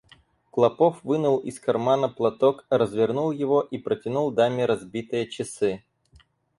Клопов вынул из кармана платок, развернул его и протянул даме разбитые часы.